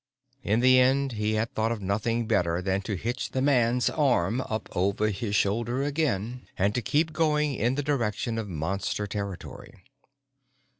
In the end, he had thought of nothing better than to hitch the man's arm up over his shoulder again and to keep going in the direction of Monster territory.